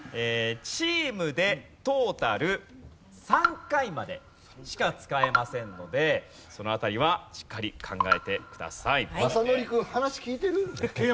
チームでトータル３回までしか使えませんのでその辺りはしっかり考えてください。